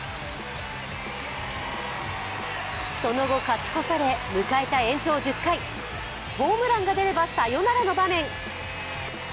その後、勝ち越され迎えた延長１０回ホームランが出れば、サヨナラの場面。